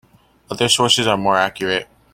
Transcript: Other sources are more accurate.